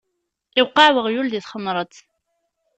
Iwqeɛ uɣyul di txemṛet.